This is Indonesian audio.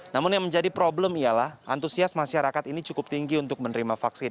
namun yang menjadi problem ialah antusias masyarakat ini cukup tinggi untuk menerima vaksin